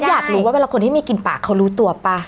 อยากรู้ว่าเวลาคนที่มีกลิ่นปากเขารู้ตัวป่ะ